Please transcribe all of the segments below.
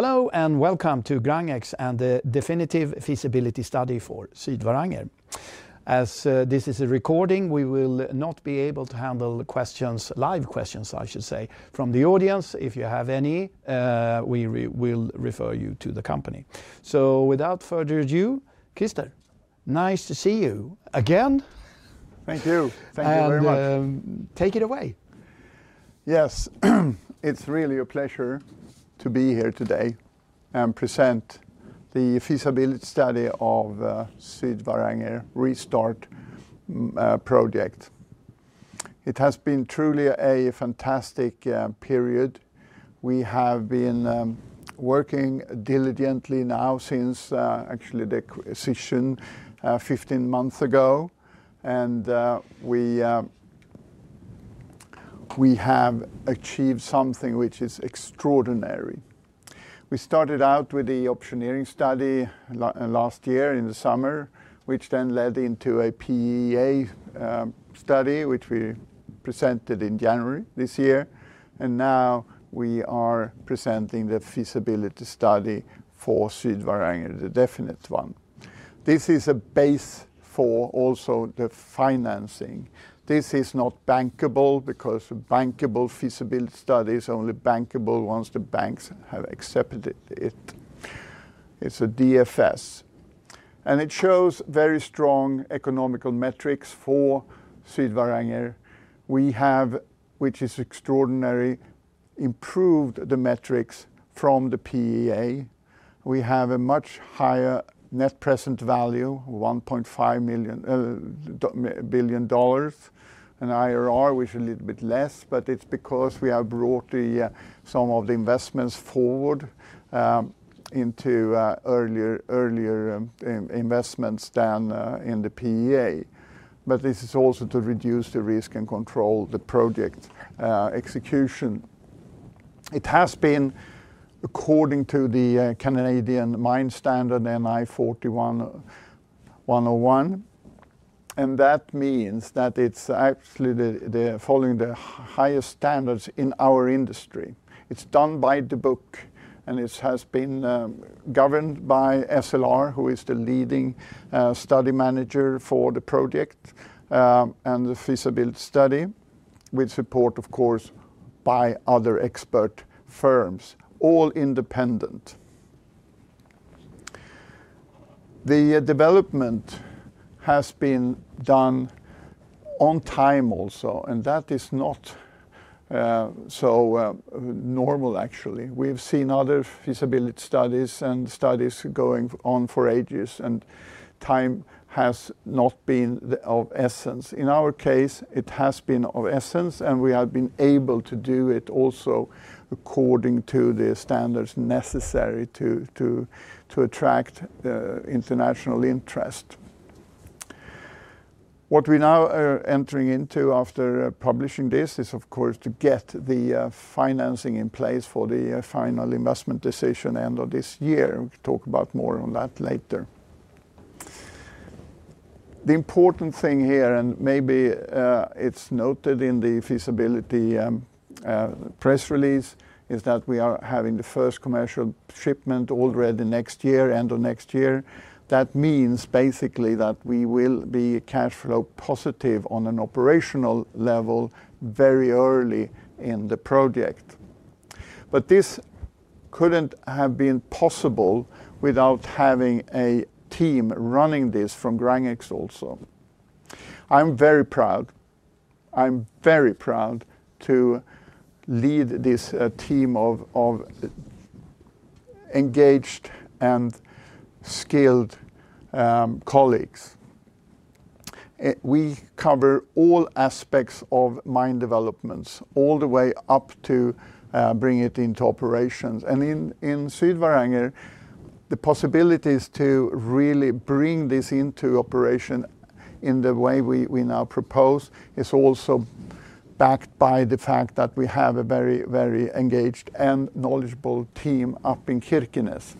Hello and welcome to GRANGEX and the Definitive Feasibility Study for Sydvaranger. As this is a recording, we will not be able to handle live questions from the audience. If you have any, we will refer you to the company. Without further ado, Christer, nice to see you again. Thank you. Thank you very much. Take it away. Yes, it's really a pleasure to be here today and present the Definitive Feasibility Study of the Sydvaranger Restart Project. It has been truly a fantastic period. We have been working diligently now since actually the acquisition 15 months ago, and we have achieved something which is extraordinary. We started out with the optioneering study last year in the summer, which then led into a PEA study, which we presented in January this year. Now we are presenting the Definitive Feasibility Study for Sydvaranger, the definite one. This is a base for also the financing. This is not bankable because a bankable feasibility study is only bankable once the banks have accepted it. It's a DFS, and it shows very strong economical metrics for Sydvaranger. We have, which is extraordinary, improved the metrics from the PEA. We have a much higher net present value, $1.5 billion, an IRR, which is a little bit less, but it's because we have brought some of the investments forward into earlier investments than in the PEA. This is also to reduce the risk and control the project execution. It has been according to the Canadian mine standard NI 43-101, and that means that it's absolutely following the highest standards in our industry. It's done by the book, and it has been governed by SLR Consulting UK Ltd, who is the leading study manager for the project and the Definitive Feasibility Study, with support, of course, by other expert firms, all independent. The development has been done on time also, and that is not so normal, actually. We've seen other feasibility studies and studies going on for ages, and time has not been of essence. In our case, it has been of essence, and we have been able to do it also according to the standards necessary to attract international interest. What we now are entering into after publishing this is, of course, to get the financing in place for the final investment decision end of this year. We'll talk about more on that later. The important thing here, and maybe it's noted in the feasibility press release, is that we are having the first commercial shipment already next year, end of next year. That means basically that we will be cash flow positive on an operational level very early in the project. This couldn't have been possible without having a team running this from GRANGEX AB also. I'm very proud to lead this team of engaged and skilled colleagues. We cover all aspects of mine developments, all the way up to bringing it into operations. In Sydvaranger, the possibilities to really bring this into operation in the way we now propose is also backed by the fact that we have a very, very engaged and knowledgeable team up in Kirkenes.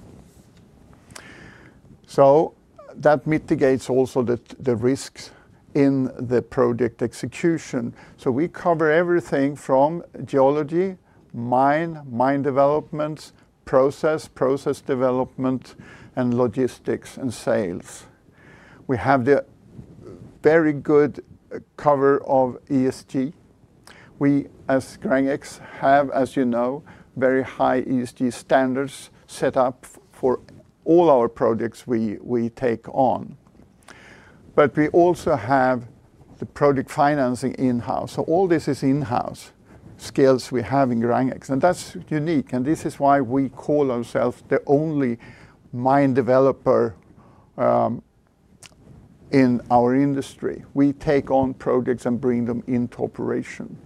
That mitigates also the risks in the project execution. We cover everything from geology, mine, mine developments, process, process development, and logistics and sales. We have the very good cover of ESG. We, as GRANGEX, have, as you know, very high ESG standards set up for all our projects we take on. We also have the project financing in-house. All this is in-house, skills we have in GRANGEX, and that's unique. This is why we call ourselves the only mine developer in our industry. We take on projects and bring them into operation.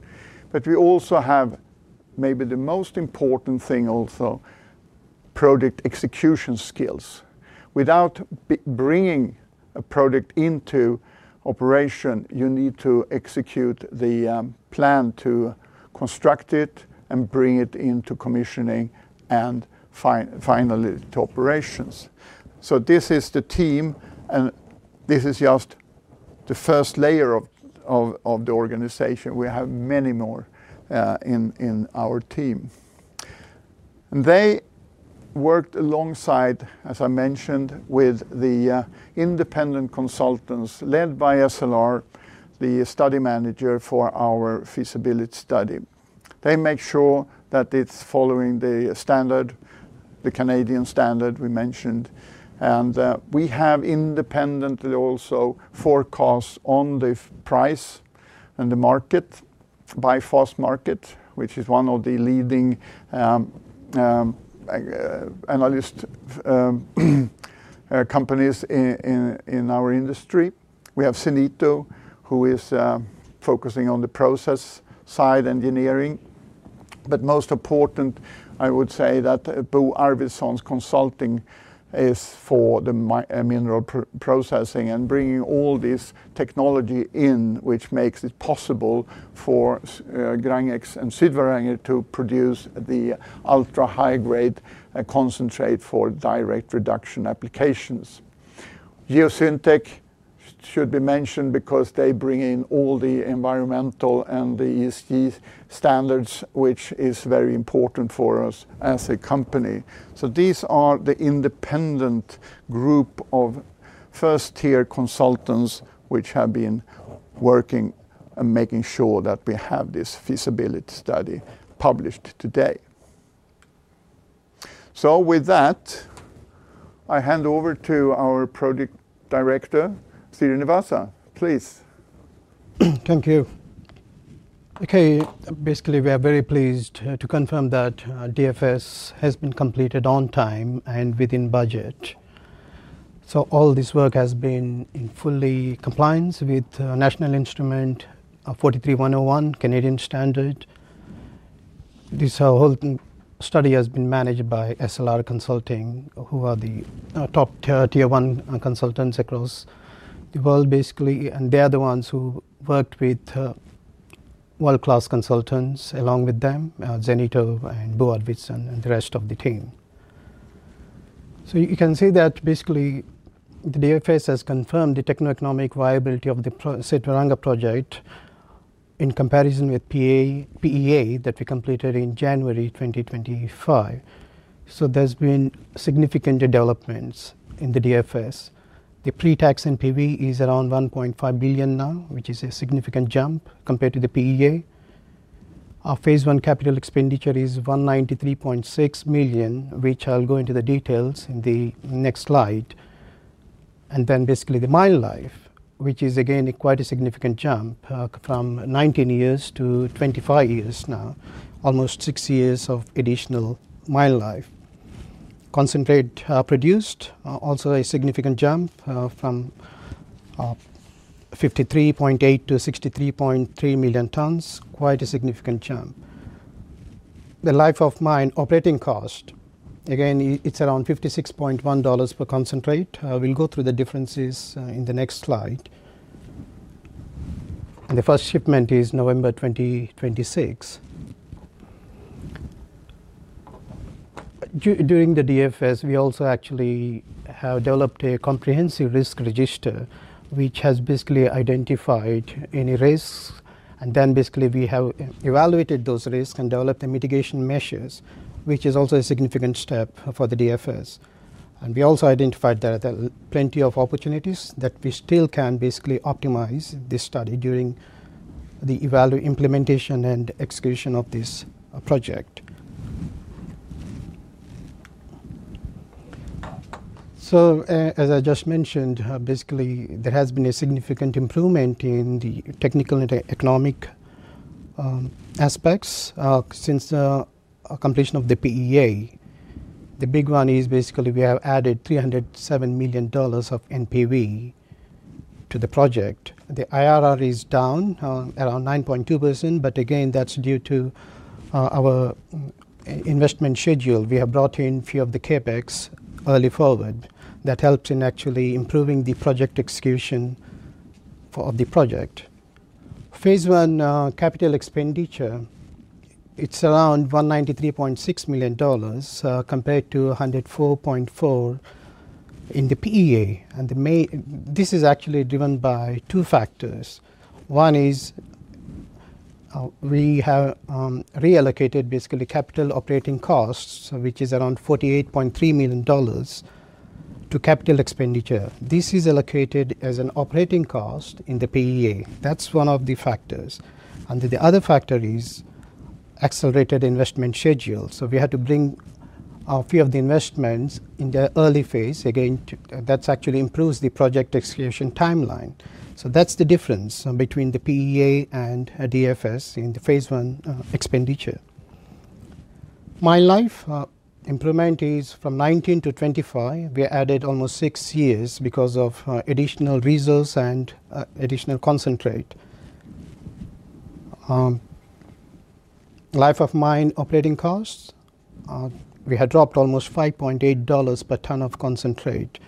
We also have, maybe the most important thing, project execution skills. Without bringing a project into operation, you need to execute the plan to construct it and bring it into commissioning and finally to operations. This is the team, and this is just the first layer of the organization. We have many more in our team. They worked alongside, as I mentioned, with the independent consultants led by SLR Consulting UK Ltd, the study manager for our Definitive Feasibility Study. They make sure that it's following the standard, the Canadian standard we mentioned. We have independently also forecast on the price and the market by Fastmarkets, which is one of the leading analyst companies in our industry. We have Zenito, who is focusing on the process side engineering. Most important, I would say that Bo Arvidson Consulting LLC is for the mineral processing and bringing all this technology in, which makes it possible for GRANGEX and Sydvaranger to produce the ultra-high-grade direct reduction magnetite concentrate for direct reduction applications. Geosyntec should be mentioned because they bring in all the environmental and the ESG standards, which is very important for us as a company. These are the independent group of first-tier consultants which have been working and making sure that we have this Definitive Feasibility Study published today. With that, I hand over to our Project Director, Srinivasa, please. Thank you. Okay, basically, we are very pleased to confirm that the DFS has been completed on time and within budget. All this work has been in full compliance with the National Instrument NI 43-101, Canadian standard. This whole study has been managed by SLR Consulting UK Ltd, who are the top tier one consultants across the world, basically. They're the ones who worked with world-class consultants along with them, Zenito and Bo Arvidson and the rest of the team. You can see that basically the DFS has confirmed the techno-economic viability of the Sydvaranger project in comparison with the PEA that we completed in January 2025. There have been significant developments in the DFS. The pre-tax NPV is around $1.5 billion now, which is a significant jump compared to the PEA. Our phase one capital expenditure is $193.6 million, which I'll go into the details in the next slide. The mine life, which is again quite a significant jump from 19 years to 25 years now, almost six years of additional mine life. Concentrate produced also a significant jump from 53.8 to 63.3 million tons, quite a significant jump. The life-of-mine operating cost, again, it's around $56.1 per concentrate. We'll go through the differences in the next slide. The first shipment is November 2026. During the DFS, we also actually have developed a comprehensive risk register, which has basically identified any risks. We have evaluated those risks and developed the mitigation measures, which is also a significant step for the DFS. We also identified that there are plenty of opportunities that we still can basically optimize this study during the evaluation, implementation, and execution of this project. As I just mentioned, basically there has been a significant improvement in the technical and economic aspects since the completion of the PEA. The big one is basically we have added $307 million of NPV to the project. The IRR is down around 9.2%, but again that's due to our investment schedule. We have brought in a few of the CapEx early forward that helps in actually improving the project execution of the project. Phase one capital expenditure, it's around $193.6 million compared to $104.4 million in the PEA. This is actually driven by two factors. One is we have reallocated basically capital operating costs, which is around $48.3 million to capital expenditure. This is allocated as an operating cost in the PEA. That's one of the factors. The other factor is accelerated investment schedule. We had to bring a few of the investments in the early phase. Again, that's actually improved the project execution timeline. That's the difference between the PEA and Definitive Feasibility Study in the phase one expenditure. Mine life improvement is from 19 to 25. We added almost six years because of additional resource and additional concentrate. Life-of-mine operating costs, we had dropped almost $5.8 per ton of concentrate.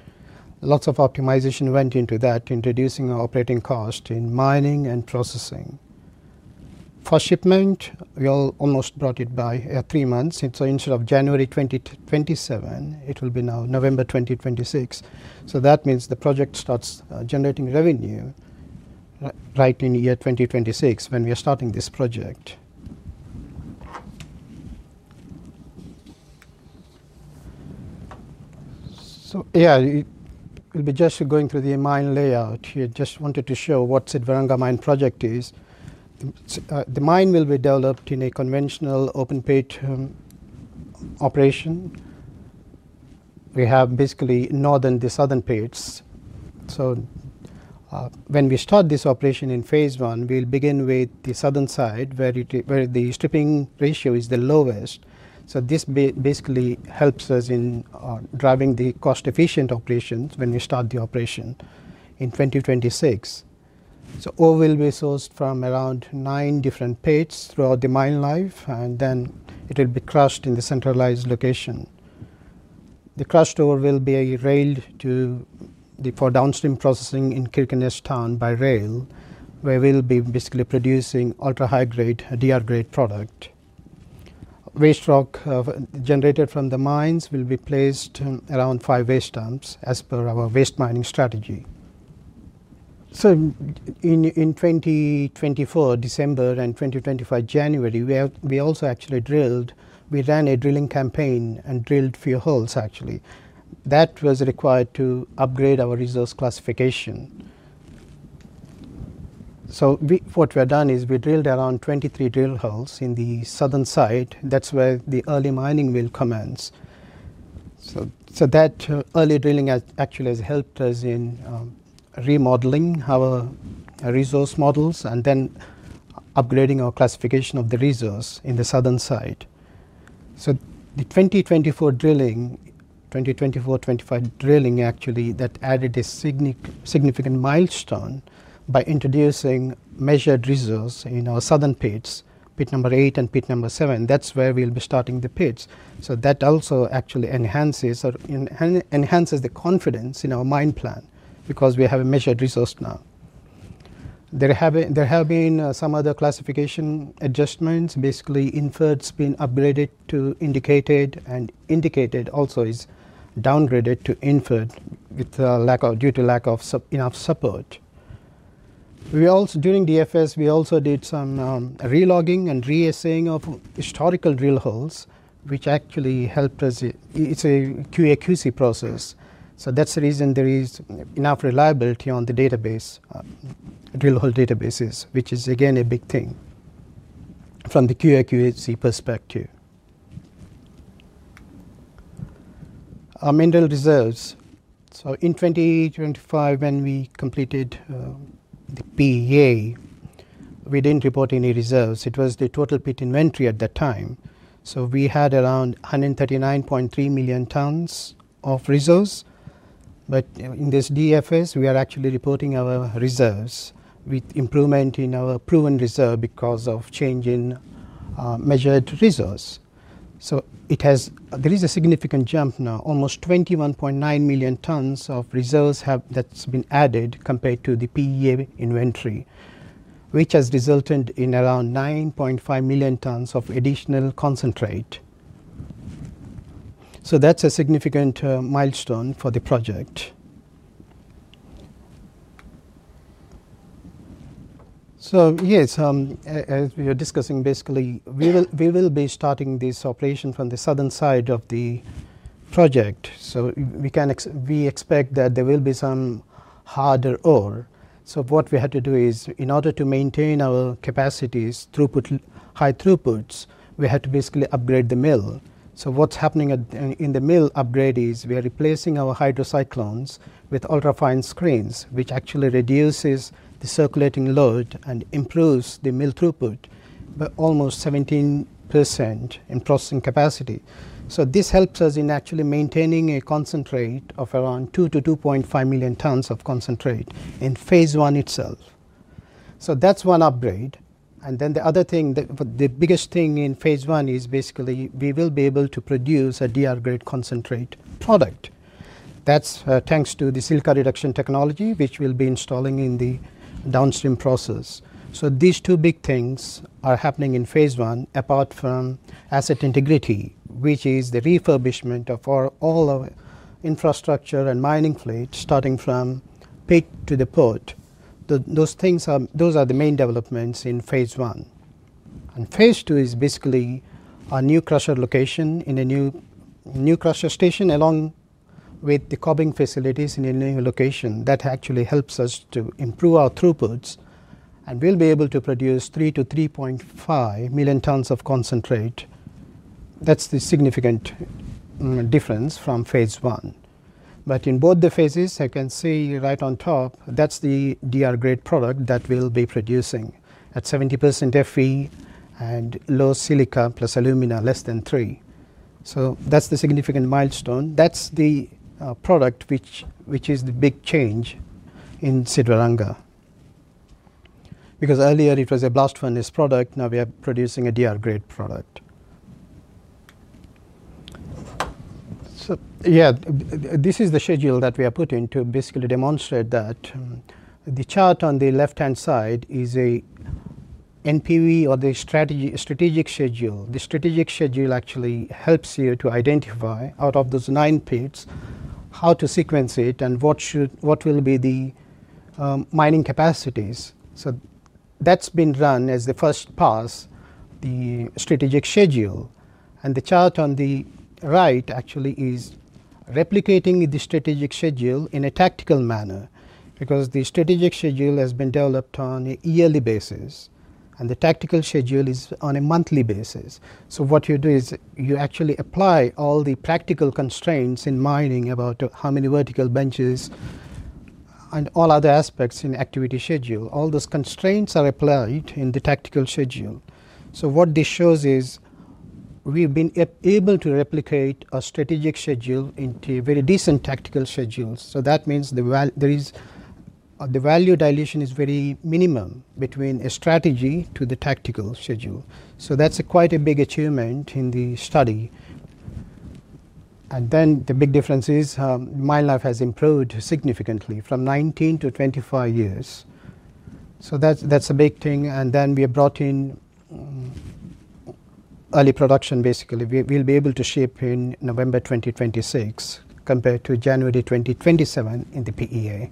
Lots of optimization went into that, introducing our operating cost in mining and processing. First shipment, we almost brought it by three months. Instead of January 2027, it will be now November 2026. That means the project starts generating revenue right in the year 2026 when we are starting this project. We'll be just going through the mine layout here. Just wanted to show what the Sydvaranger mine project is. The mine will be developed in a conventional open pit operation. We have basically northern and southern pits. When we start this operation in phase one, we'll begin with the southern side where the stripping ratio is the lowest. This basically helps us in driving the cost-efficient operations when we start the operation in 2026. Ore will be sourced from around nine different pits throughout the mine life, and then it will be crushed in the centralized location. The crushed ore will be railed for downstream processing in Kirkenes Town by rail, where we'll be basically producing ultra-high-grade, direct reduction magnetite concentrate. Waste rock generated from the mines will be placed around five waste dumps as per our waste mining strategy. In December 2024 and January 2025, we also actually drilled. We ran a drilling campaign and drilled few holes, actually. That was required to upgrade our resource classification. What we have done is we drilled around 23 drill holes in the southern side. That's where the early mining will commence. That early drilling actually has helped us in remodeling our resource models and then upgrading our classification of the resource in the southern side. The 2024-2025 drilling actually added a significant milestone by introducing measured resource in our southern pits, pit number eight and pit number seven. That's where we'll be starting the pits. That also actually enhances the confidence in our mine plan because we have a measured resource now. There have been some other classification adjustments. Basically, inferred's been upgraded to indicated, and indicated also is downgraded to inferred due to lack of enough support. During the Definitive Feasibility Study (DFS), we also did some relogging and reassaying of historical drill holes, which actually helped us. It's a QAQC process. That's the reason there is enough reliability on the database, drill hole databases, which is again a big thing from the QAQC perspective. Amendal reserves. In 2025, when we completed the PEA, we didn't report any reserves. It was the total pit inventory at that time. We had around 139.3 million tons of reserves. In this DFS, we are actually reporting our reserves with improvement in our proven reserve because of changing measured reserves. There is a significant jump now. Almost 21.9 million tons of reserves have been added compared to the PEA inventory, which has resulted in around 9.5 million tons of additional concentrate. That's a significant milestone for the project. As we were discussing, basically, we will be starting this operation from the southern side of the project. We expect that there will be some harder ore. What we had to do is, in order to maintain our capacities, high throughputs, we had to basically upgrade the mill. What's happening in the mill upgrade is we are replacing our hydrocyclones with ultra-fine screens, which actually reduces the circulating load and improves the mill throughput by almost 17% in processing capacity. This helps us in actually maintaining a concentrate of around 2 to 2.5 million tons of concentrate in phase one itself. That's one upgrade. The other thing, the biggest thing in phase one is basically we will be able to produce a direct reduction (DR)-grade concentrate product. That's thanks to the silica reduction technology, which we'll be installing in the downstream process. These two big things are happening in phase one, apart from asset integrity, which is the refurbishment of all our infrastructure and mining fleet, starting from pit to the port. Those are the main developments in phase one. Phase two is basically a new crusher location in a new crusher station, along with the cobbing facilities in a new location. That actually helps us to improve our throughputs, and we'll be able to produce 3 to 3.5 million tons of concentrate. That's the significant difference from phase one. In both the phases, I can see right on top, that's the DR-grade product that we'll be producing at 70% Fe and low silica plus alumina less than 3%. That's the significant milestone. That's the product which is the big change in Sydvaranger because earlier it was a blast furnace product, now we are producing a DR-grade product. This is the schedule that we are putting to basically demonstrate that. The chart on the left-hand side is an NPV or the strategic schedule. The strategic schedule actually helps you to identify out of those nine pits how to sequence it and what will be the mining capacities. That's been run as the first pass, the strategic schedule. The chart on the right actually is replicating the strategic schedule in a tactical manner because the strategic schedule has been developed on a yearly basis, and the tactical schedule is on a monthly basis. What you do is you actually apply all the practical constraints in mining about how many vertical benches and all other aspects in the activity schedule. All those constraints are applied in the tactical schedule. What this shows is we've been able to replicate our strategic schedule into very decent tactical schedules. That means the value dilution is very minimal between a strategy to the tactical schedule. That's quite a big achievement in the study. The big difference is mine life has improved significantly from 19 to 25 years. That's a big thing. We have brought in early production, basically. We'll be able to ship in November 2026 compared to January 2027 in the PEA.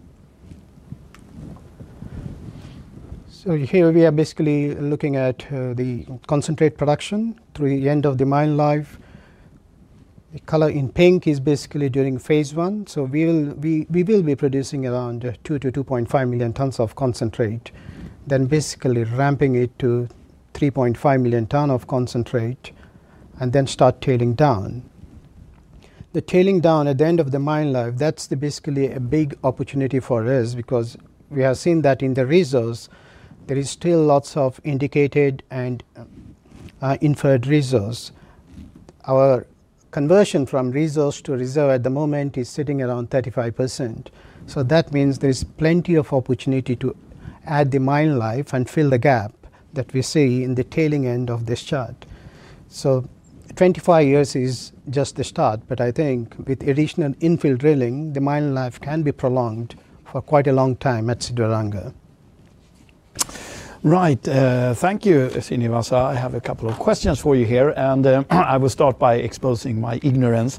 Here we are basically looking at the concentrate production through the end of the mine life. The color in pink is basically during phase one. We will be producing around 2 to 2.5 million tons of concentrate, then basically ramping it to 3.5 million tons of concentrate, and then start tailing down. The tailing down at the end of the mine life, that's basically a big opportunity for us because we have seen that in the reserves, there are still lots of indicated and inferred reserves. Our conversion from resources to reserves at the moment is sitting around 35%. That means there's plenty of opportunity to add the mine life and fill the gap that we see in the tailing end of this chart. Twenty-five years is just the start, but I think with additional infill drilling, the mine life can be prolonged for quite a long time at Sydvaranger. Right. Thank you, Srinivasa. I have a couple of questions for you here, and I will start by exposing my ignorance.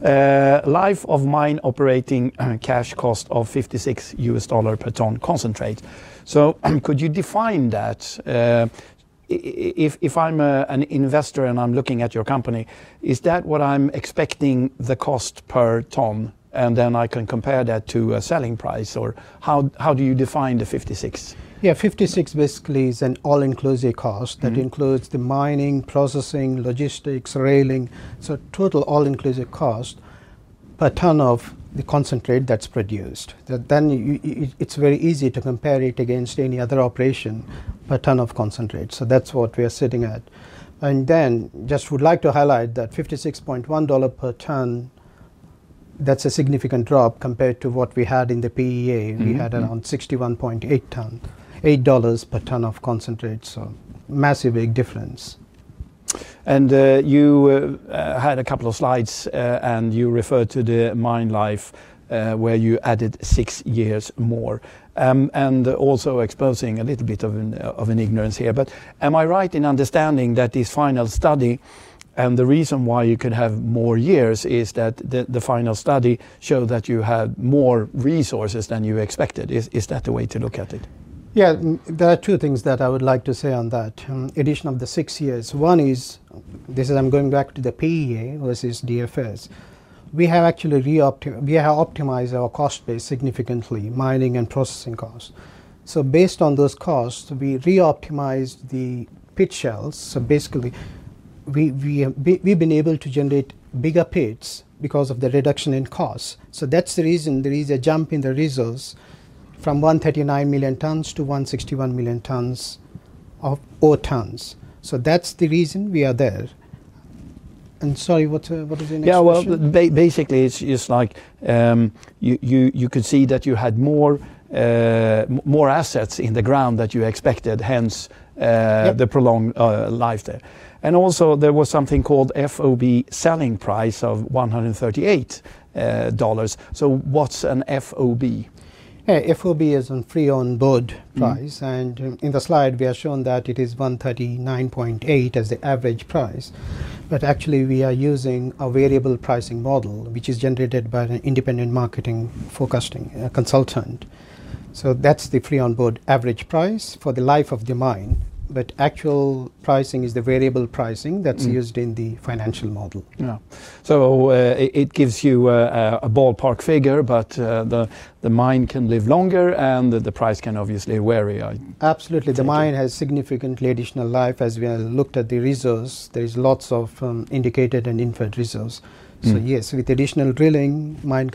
Life-of-mine operating cash cost of $56 per ton concentrate. Could you define that? If I'm an investor and I'm looking at your company, is that what I'm expecting the cost per ton, and then I can compare that to a selling price, or how do you define the $56? Yeah, $56 basically is an all-inclusive cost that includes the mining, processing, logistics, railing. Total all-inclusive cost per ton of the concentrate that's produced. It's very easy to compare it against any other operation per ton of concentrate. That's what we are sitting at. I just would like to highlight that $56.1 per ton, that's a significant drop compared to what we had in the PEA. We had around $61.8 per ton of concentrate. Massive big difference. You had a couple of slides, and you referred to the mine life where you added six years more. Am I right in understanding that this final study, and the reason why you could have more years, is that the final study showed that you had more resources than you expected? Is that the way to look at it? Yeah, there are two things that I would like to say on that. Addition of the six years. One is, this is, I'm going back to the PEA versus DFS. We have actually re-optimized our cost base significantly, mining and processing costs. Based on those costs, we re-optimized the pit shells. Basically, we've been able to generate bigger pits because of the reduction in cost. That's the reason there is a jump in the reserves from 139 million tons to 161 million tons of ore tons. That's the reason we are there. Sorry, what was the next question? Yeah, basically, it's like you could see that you had more assets in the ground than you expected, hence the prolonged life there. There was also something called FOB selling price of $138. What's an FOB? FOB is a free-on-board price. In the slide, we are shown that it is $139.8 as the average price. Actually, we are using a variable pricing model, which is generated by an independent marketing focusing consultant. That's the free-on-board average price for the life of the mine. Actual pricing is the variable pricing that's used in the financial model. It gives you a ballpark figure, but the mine can live longer and the price can obviously vary. Absolutely. The mine has significantly additional life. As we have looked at the reserves, there are lots of indicated and inferred reserves. Yes, with additional drilling, mine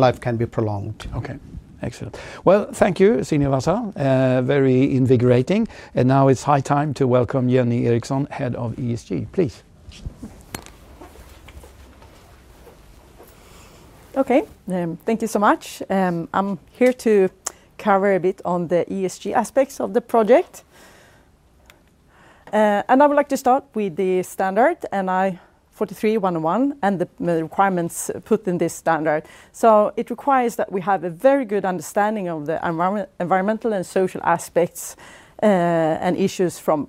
life can be prolonged. Okay, excellent. Thank you, Srinivasa. Very invigorating. It is high time to welcome Jørn Eriksson, Head of ESG. Please. Okay, thank you so much. I'm here to cover a bit on the ESG aspects of the project. I would like to start with the standard NI 43-101 and the requirements put in this standard. It requires that we have a very good understanding of the environmental and social aspects and issues from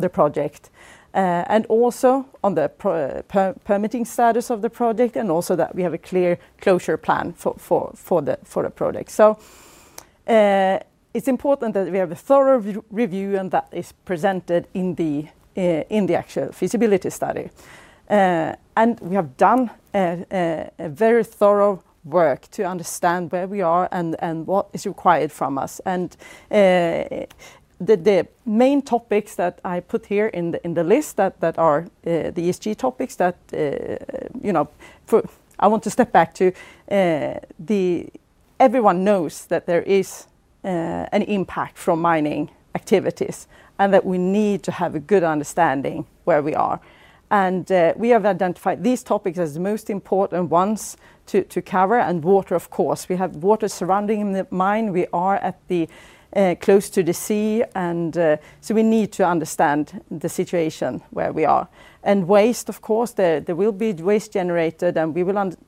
the project, and also on the permitting status of the project, and also that we have a clear closure plan for the project. It's important that we have a thorough review and that is presented in the actual feasibility study. We have done a very thorough work to understand where we are and what is required from us. The main topics that I put here in the list are the ESG topics that I want to step back to. Everyone knows that there is an impact from mining activities and that we need to have a good understanding where we are. We have identified these topics as the most important ones to cover. Water, of course. We have water surrounding the mine. We are close to the sea, and we need to understand the situation where we are. Waste, of course. There will be waste generated, and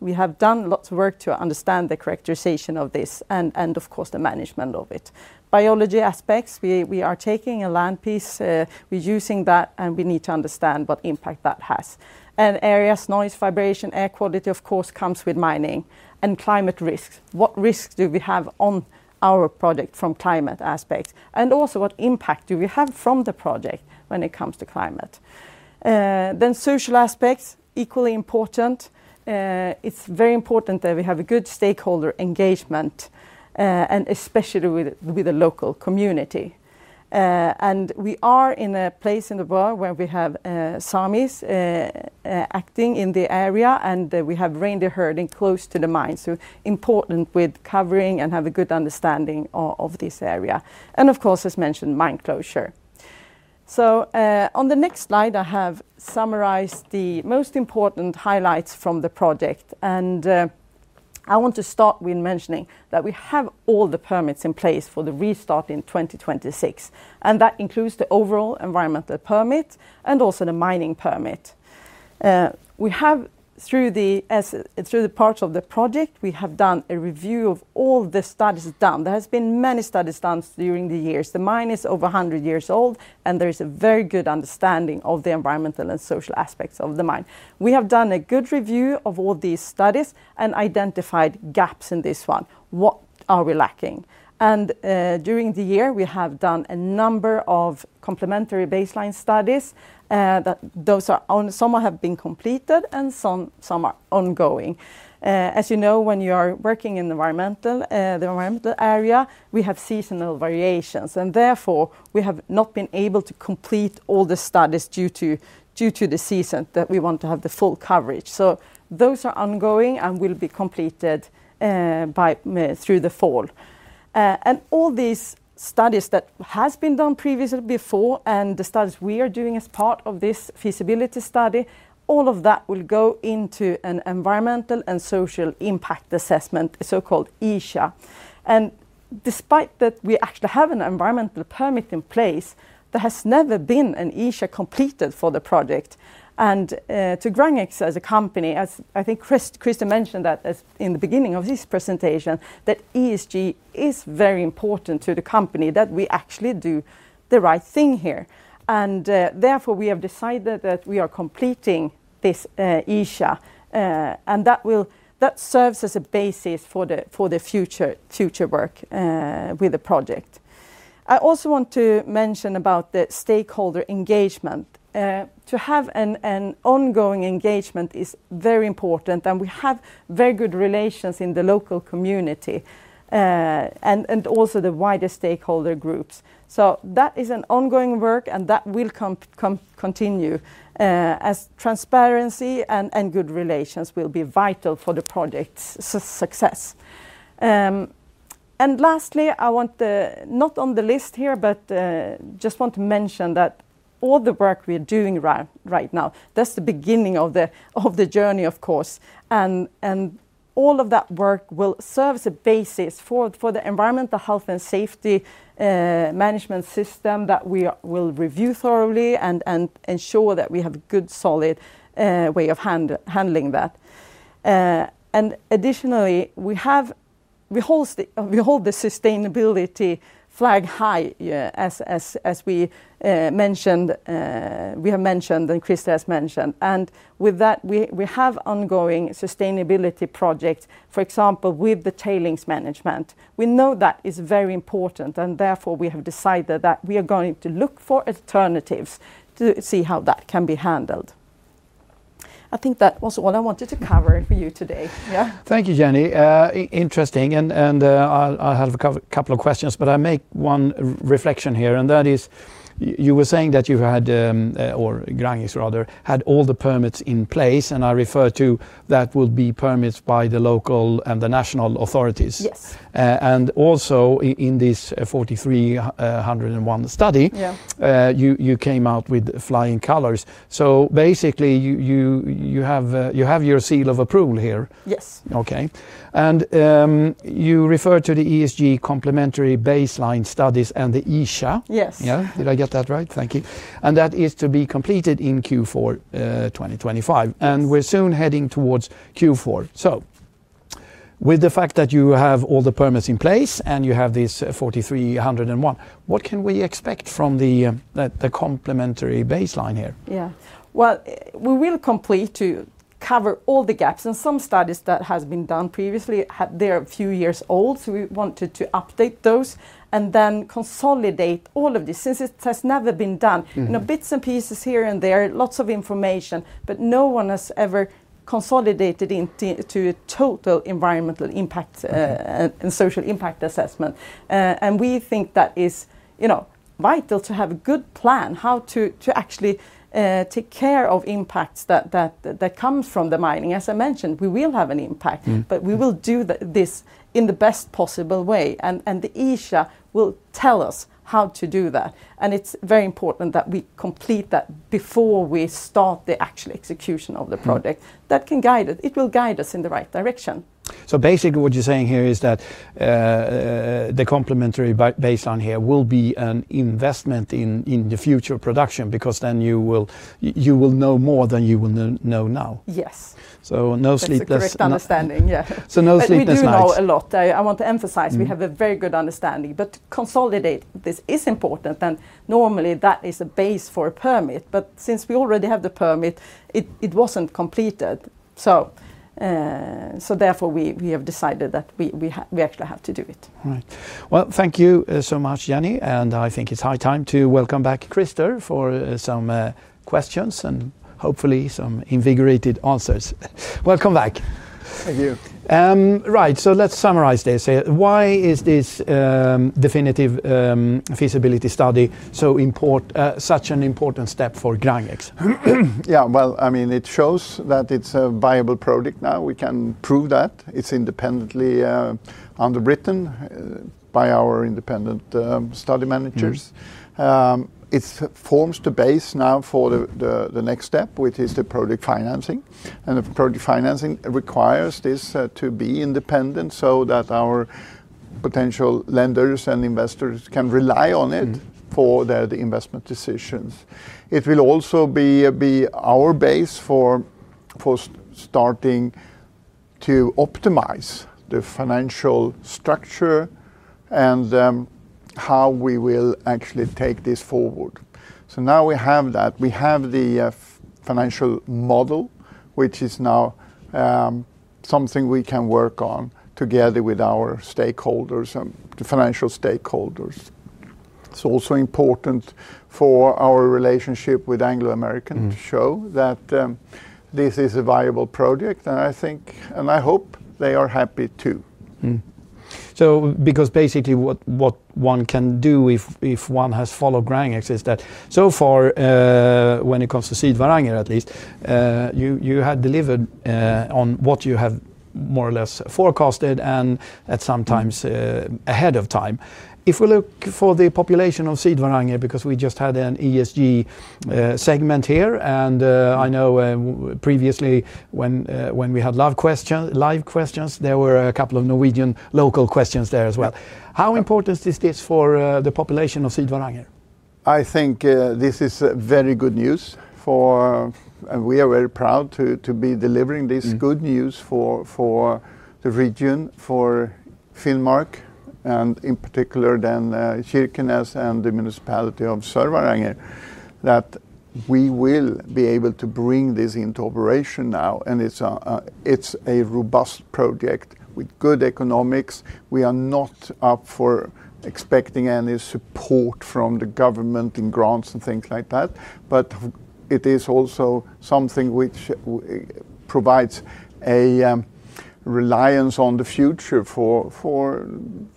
we have done lots of work to understand the characterization of this and, of course, the management of it. Biology aspects, we are taking a land piece. We're using that, and we need to understand what impact that has. Areas, noise, vibration, air quality, of course, comes with mining. Climate risks, what risks do we have on our project from climate aspects? Also, what impact do we have from the project when it comes to climate? Social aspects, equally important. It's very important that we have a good stakeholder engagement, and especially with the local community. We are in a place in the world where we have Sami's acting in the area, and we have reindeer herding close to the mine. Important with covering and have a good understanding of this area. Of course, as mentioned, mine closure. On the next slide, I have summarized the most important highlights from the project. I want to start with mentioning that we have all the permits in place for the restart in 2026. That includes the overall environmental permit and also the mining permit. Through the part of the project, we have done a review of all the studies done. There have been many studies done during the years. The mine is over 100 years old, and there is a very good understanding of the environmental and social aspects of the mine. We have done a good review of all these studies and identified gaps in this one. What are we lacking? During the year, we have done a number of complementary baseline studies. Some have been completed and some are ongoing. As you know, when you are working in the environmental area, we have seasonal variations. Therefore, we have not been able to complete all the studies due to the season that we want to have the full coverage. Those are ongoing and will be completed through the fall. All these studies that have been done previously before, and the studies we are doing as part of this feasibility study, all of that will go into an Environmental and Social Impact Assessment, a so-called ESIA. Despite that we actually have an environmental permit in place, there has never been an ESIA completed for the project. To GRANGEX AB as a company, as I think Chris mentioned in the beginning of this presentation, ESG is very important to the company that we actually do the right thing here. Therefore, we have decided that we are completing this ESIA. That serves as a basis for the future work with the project. I also want to mention about the stakeholder engagement. To have an ongoing engagement is very important. We have very good relations in the local community and also the wider stakeholder groups. That is an ongoing work, and that will continue as transparency and good relations will be vital for the project's success. Lastly, not on the list here, but I just want to mention that all the work we are doing right now, that's the beginning of the journey, of course. All of that work will serve as a basis for the environmental health and safety management system that we will review thoroughly and ensure that we have a good, solid way of handling that. Additionally, we hold the sustainability flag high, as we have mentioned, and Chris has mentioned. With that, we have ongoing sustainability projects, for example, with the tailings management. We know that is very important, and therefore, we have decided that we are going to look for alternatives to see how that can be handled. I think that was all I wanted to cover for you today. Yeah. Thank you, Jørn. Interesting. I have a couple of questions, but I make one reflection here. That is, you were saying that you had, or GRANGEX rather, had all the permits in place. I refer to that will be permits by the local and the national authorities. Yes. Also, in this NI 43-101 study, you came out with flying colors. Basically, you have your seal of approval here. Yes. Okay. You refer to the ESG complementary baseline studies and the ESIA. Yes. Yeah. Did I get that right? Thank you. That is to be completed in Q4 2025. We're soon heading towards Q4. With the fact that you have all the permits in place and you have this NI 43-101, what can we expect from the complementary baseline here? Yeah. We will complete to cover all the gaps. Some studies that have been done previously are a few years old. We wanted to update those and then consolidate all of this since it has never been done. You know, bits and pieces here and there, lots of information, but no one has ever consolidated into a total environmental impact and social impact assessment. We think that is, you know, vital to have a good plan, how to actually take care of impacts that come from the mining. As I mentioned, we will have an impact, but we will do this in the best possible way. The ESIA will tell us how to do that. It's very important that we complete that before we start the actual execution of the project. That can guide us. It will guide us in the right direction. Basically, what you're saying here is that the complementary baseline here will be an investment in the future production because then you will know more than you will know now. Yes. No sleepless nights. That's a great understanding. Yeah. No sleepless nights. We do know a lot. I want to emphasize we have a very good understanding. To consolidate this is important. Normally, that is a base for a permit. Since we already have the permit, it wasn't completed. Therefore, we have decided that we actually had to do it. Right. Thank you so much, Jørn. I think it's high time to welcome back Christer for some questions and hopefully some invigorated answers. Welcome back. Thank you. Right. Let's summarize this. Why is this Definitive Feasibility Study so important, such an important step for GRANGEX? Yeah. It shows that it's a viable project now. We can prove that. It's independently underwritten by our independent study managers. It forms the base now for the next step, which is the project financing. The project financing requires this to be independent so that our potential lenders and investors can rely on it for their investment decisions. It will also be our base for starting to optimize the financial structure and how we will actually take this forward. Now we have that. We have the financial model, which is now something we can work on together with our stakeholders and the financial stakeholders. It's also important for our relationship with Anglo American to show that this is a viable project. I think, and I hope they are happy too. Because basically what one can do if one has followed GRANGEX is that so far, when it comes to Sydvaranger at least, you had delivered on what you have more or less forecasted and at sometimes ahead of time. If we look for the population of Sydvaranger, because we just had an ESG segment here, and I know previously when we had live questions, there were a couple of Norwegian local questions there as well. How important is this for the population of Sydvaranger? I think this is very good news for, and we are very proud to be delivering this good news for the region, for Finnmark, and in particular then Kirkenes and the municipality of Sydvaranger, that we will be able to bring this into operation now. It's a robust project with good economics. We are not up for expecting any support from the government in grants and things like that. It is also something which provides a reliance on the future for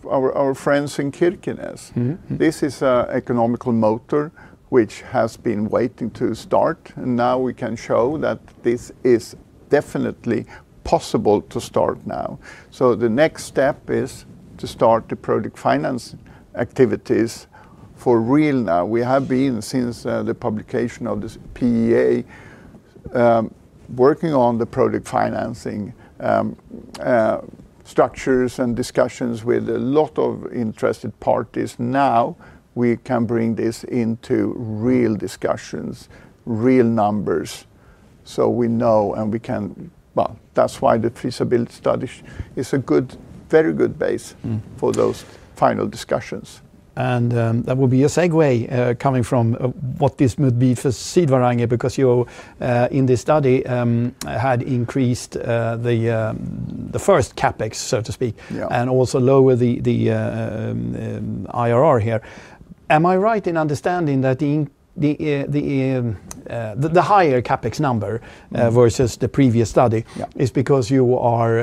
our friends in Kirkenes. This is an economical motor which has been waiting to start. Now we can show that this is definitely possible to start now. The next step is to start the project finance activities for real now. We have been since the publication of this PEA working on the project financing structures and discussions with a lot of interested parties. Now we can bring this into real discussions, real numbers. We know, and we can, that's why the feasibility study is a good, very good base for those final discussions. That will be a segue coming from what this would be for Sydvaranger because you in this study had increased the first CapEx, so to speak, and also lowered the IRR here. Am I right in understanding that the higher CapEx number versus the previous study is because you are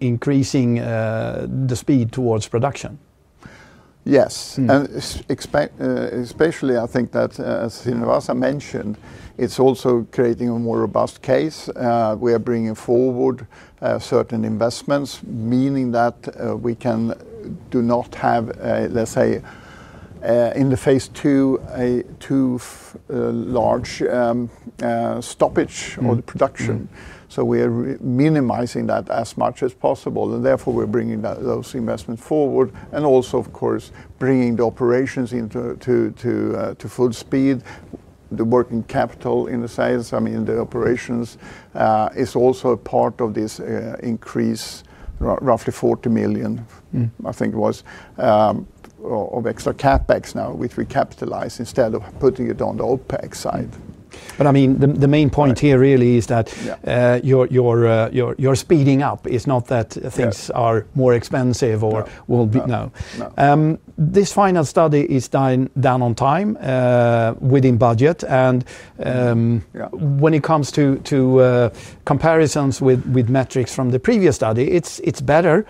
increasing the speed towards production? Yes. Especially, I think that, as Srinivasa mentioned, it's also creating a more robust case. We are bringing forward certain investments, meaning that we do not have, let's say, in the phase two, a too large stoppage of the production. We are minimizing that as much as possible. Therefore, we're bringing those investments forward and also, of course, bringing the operations into full speed. The working capital in the sales, I mean, the operations is also a part of this increase, roughly $40 million, I think it was, of extra CapEx now, which we capitalize instead of putting it on the OpEx side. The main point here really is that you're speeding up. It's not that things are more expensive or will be, no. This final study is done on time, within budget. When it comes to comparisons with metrics from the previous study, it's better.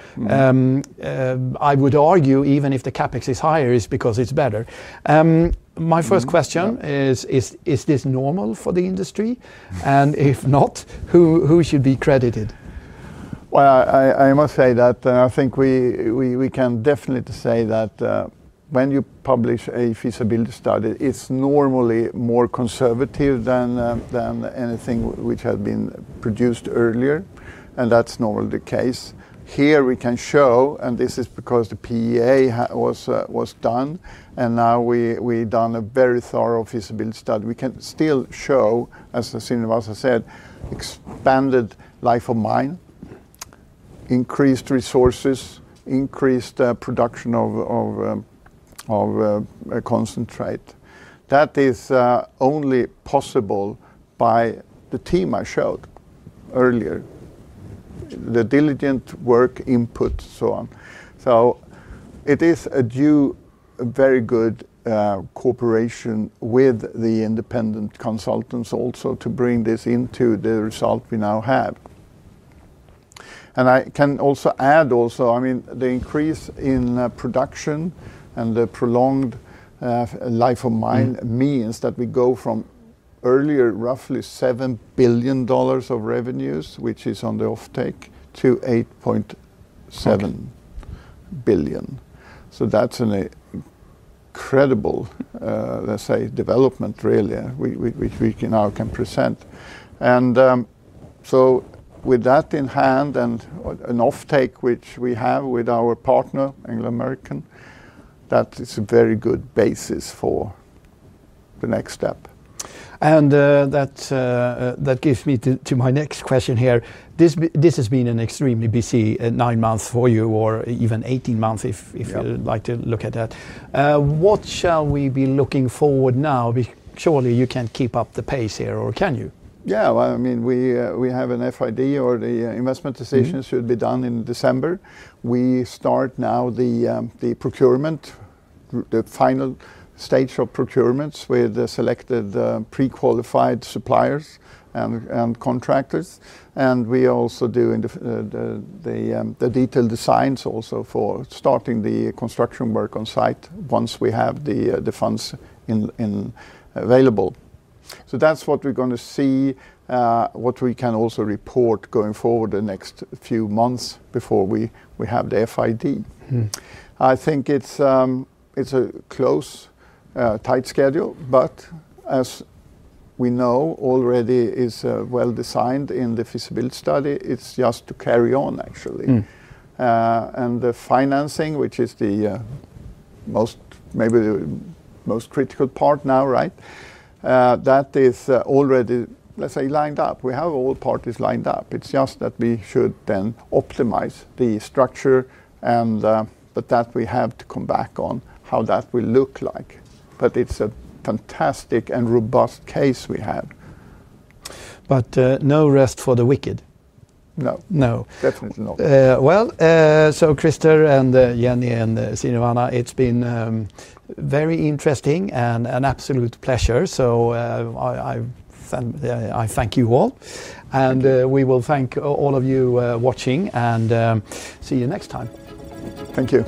I would argue, even if the CapEx is higher, it's because it's better. My first question is, is this normal for the industry? If not, who should be credited? I must say that I think we can definitely say that when you publish a feasibility study, it's normally more conservative than anything which had been produced earlier. That's normally the case. Here we can show, and this is because the PEA was done, and now we've done a very thorough feasibility study. We can still show, as Srinivasa said, expanded life of mine, increased resources, increased production of concentrate. That is only possible by the team I showed earlier, the diligent work input, so on. It is a due, very good cooperation with the independent consultants also to bring this into the result we now had. I can also add, I mean, the increase in production and the prolonged life of mine means that we go from earlier, roughly $7 billion of revenues, which is on the offtake, to $8.7 billion. That's an incredible, let's say, development really, which we now can present. With that in hand and an offtake which we have with our partner, Anglo American, that is a very good basis for the next step. That gives me to my next question here. This has been an extremely busy nine months for you, or even 18 months if you'd like to look at that. What shall we be looking forward to now? Surely you can keep up the pace here, or can you? Yeah, I mean, we have an FID, or the investment decision should be done in December. We start now the procurement, the final stage of procurements with the selected pre-qualified suppliers and contractors. We also do the detailed designs for starting the construction work on site once we have the funds available. That's what we're going to see, what we can also report going forward the next few months before we have the FID. I think it's a close, tight schedule, but as we know already, it is well designed in the feasibility study. It's just to carry on, actually. The financing, which is maybe the most critical part now, right, is already, let's say, lined up. We have all parties lined up. It's just that we should then optimize the structure and we have to come back on how that will look like. It's a fantastic and robust case we have. No rest for the wicked. Definitely not. Christer and Jørn and Srinivasa, it's been very interesting and an absolute pleasure. I thank you all. We will thank all of you watching and see you next time. Thank you.